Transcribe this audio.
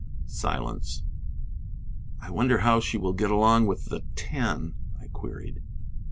Silence. "I wonder how she will get along with the Ten?" I queried.